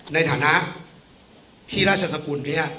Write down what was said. ในฐานะที่ราชสกุลนี้